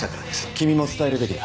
君も伝えるべきだ